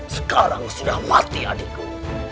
sekarang sudah mati adikku